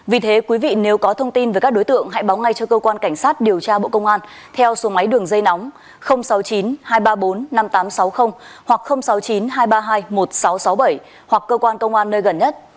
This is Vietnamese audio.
vì thế quý vị nếu có thông tin về các đối tượng hãy báo ngay cho cơ quan cảnh sát điều tra bộ công an theo số máy đường dây nóng sáu mươi chín hai trăm ba mươi bốn năm nghìn tám trăm sáu mươi hoặc sáu mươi chín hai trăm ba mươi hai một nghìn sáu trăm sáu mươi bảy hoặc cơ quan công an nơi gần nhất